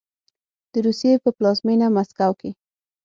د روسیې په پلازمینه مسکو کې